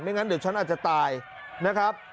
งั้นเดี๋ยวฉันอาจจะตายนะครับ